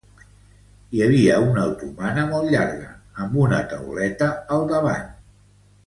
Hi havia una otomana molt llarga, amb una tauleta al davant